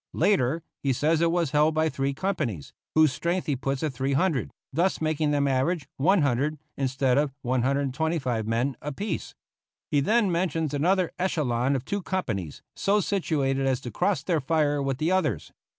Later he says it was held by three companies, whose strength he puts at 300 thus making them average 100 instead of 125 men apiece. He then mentions another echelon of two companies, so situated as to cross their fire with the others.